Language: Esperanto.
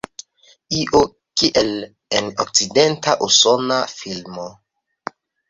Io kiel en okcidenta usona filmo.